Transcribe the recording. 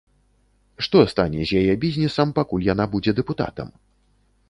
Што стане з яе бізнесам, пакуль яна будзе дэпутатам?